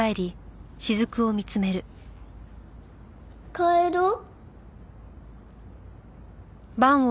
帰ろう。